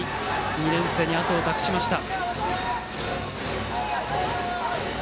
２年生に、あとを託しました。